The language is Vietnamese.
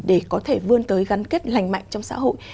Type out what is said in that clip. để có thể vươn tới gắn kết lành mạnh trong xã hội